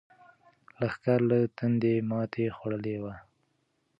لښکر له تندې ماتې خوړلې وه.